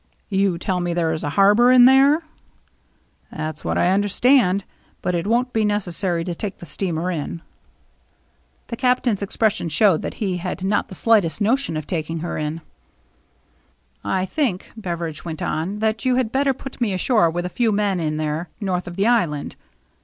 " You tell me there is a harbor in there ?" "That's what I understand. But it won't be necessary to take the steamer in." THE CHASE BEGINS 247 The Captain's expression showed that he had not the slightest notion of taking her in. " I think," Beveridge went on, " that you had better put me ashore with a few men in there north of the island.